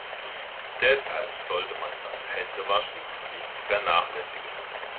Deshalb sollte man das Händewaschen nicht vernachlässigen.